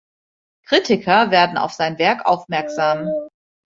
Kritiker werden auf sein Werk aufmerksam.